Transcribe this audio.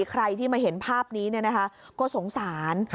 ใครที่มาเห็นภาพนี้ก็สงสาร